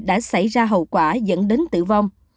đã xảy ra hậu quả dẫn đến tử vong